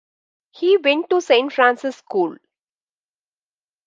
He went to Saint Francis school.